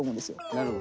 なるほど。